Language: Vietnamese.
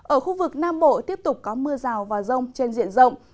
ở khu vực nam bộ tiếp tục có mưa rào và rông trên diện rộng